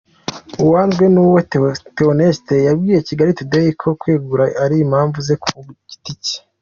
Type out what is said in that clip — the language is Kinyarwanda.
Uwanzwenuwe Theonetse yabwiye Kigali Today ko kwegura ari impamvu ze ku giti cye.